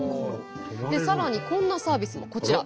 さらにこんなサービスも。こちら。